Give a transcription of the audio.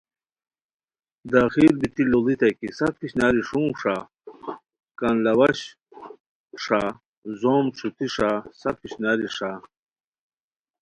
داخل بیتی لوڑیتائے کی سف اشناری ݰونگ ݰا: کان لاواش ݰا، زوم ݯھوتی ݰا، سف اشناری ݰا